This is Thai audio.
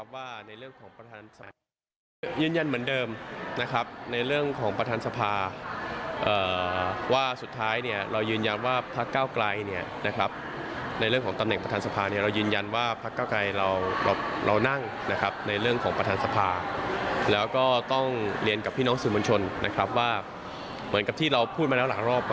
ว่าเหมือนกับที่เราพูดมาแล้วหลังรอบ